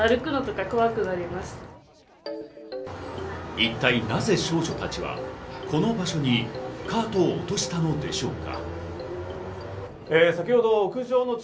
一体なぜ少女たちはこの場所にカートを落としたのでしょうか？